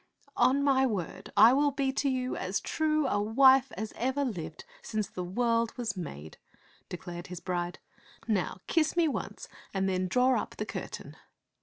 " On my word I will be to you as true a wife as ever lived since the world was made," declared his bride. " Now kiss me once and then draw up the curtain."